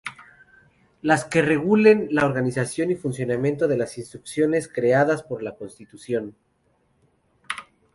Las que regulen la organización y funcionamiento de las instituciones creadas por la Constitución.